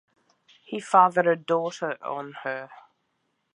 He fathered a daughter on her.